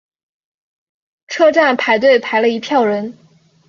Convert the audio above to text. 车站排队排了一票人